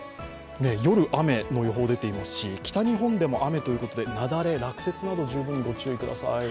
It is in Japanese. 夜、雨の予報が出ていますし、北日本でも雨ということで、雪崩、落雪など十分ご注意ください。